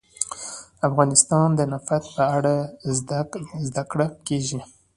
افغانستان کې د نفت په اړه زده کړه کېږي.